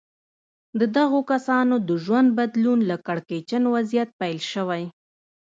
د دغو کسانو د ژوند بدلون له کړکېچن وضعيت پيل شوی.